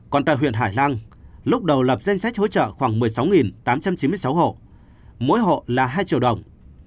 còn tại huyện hải lăng lúc đầu lập danh sách hỗ trợ khoảng một mươi sáu tám trăm chín mươi sáu hộ mỗi hộ là hai triệu đồng